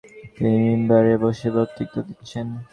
তিনি মিম্বারে বসে বক্তৃতা দিচ্ছেন।